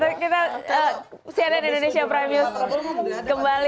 tapi kita cnn indonesia prime news kembali